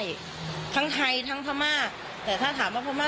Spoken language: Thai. เธอก็เชื่อว่ามันคงเป็นเรื่องความเชื่อที่บรรดองนำเครื่องเส้นวาดผู้ผีปีศาจเป็นประจำ